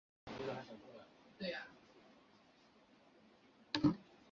范阳人氏。